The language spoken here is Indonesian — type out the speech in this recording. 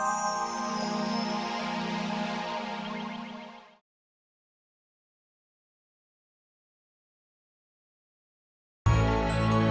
terima kasih sudah banyak nenek gave kita banyak peluang untuk memanggil diri kita